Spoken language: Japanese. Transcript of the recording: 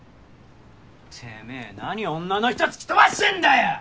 てめぇ何女の人突き飛ばしてんだよ！